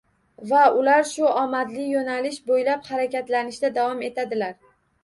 Va ular shu omadli yoʻnalish boʻylab harakatlanishda davom etadilar.